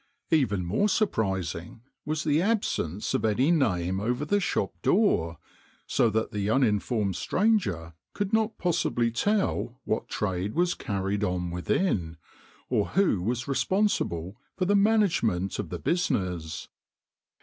Even more surprising was the absence of any name over the shop door, so that the unin formed stranger could not possibly tell what trade was carried on within, or who was responsible for the management of the busi ness.